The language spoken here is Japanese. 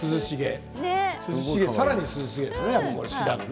さらに涼しげですね。